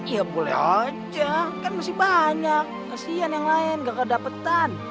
iya boleh aja kan masih banyak kesian yang lain gak kedapetan